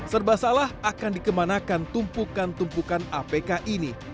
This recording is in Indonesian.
serba salah akan dikemanakan tumpukan tumpukan apk ini